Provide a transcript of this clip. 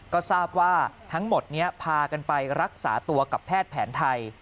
ก็ทราบว่าทั้งหมดนี้พากันไปรักษาตัวกับแพทย์แผนไทย